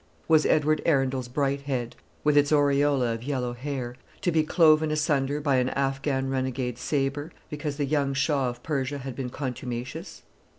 Was Edward Arundel's bright head, with its aureola of yellow hair, to be cloven asunder by an Affghan renegade's sabre, because the young Shah of Persia had been contumacious?